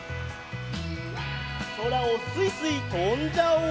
そらをすいすいとんじゃおう！